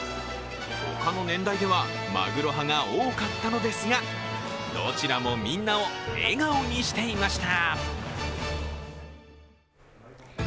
他の年代ではマグロ派が多かったのですが、どちらもみんなを笑顔にしていました。